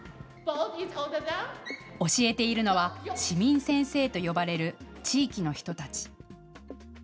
教えているのは市民先生と呼ばれる地域の人たち。